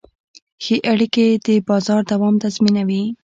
ښه اړیکې د بازار دوام تضمینوي.